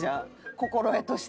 心得として？